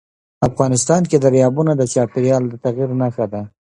افغانستان کې دریابونه د چاپېریال د تغیر نښه ده.